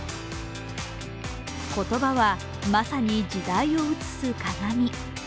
言葉は、まさに時代を映す鏡。